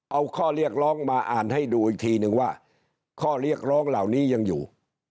เอาข้อเรียกร้องมาอ่านให้ดูอีกทีนึงว่าข้อเรียกร้องเหล่านี้ยังอยู่